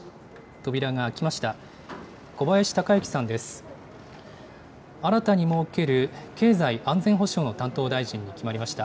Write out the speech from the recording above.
扉が開きました。